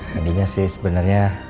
tadinya sih sebenernya